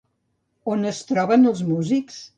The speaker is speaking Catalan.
On es troben els músics?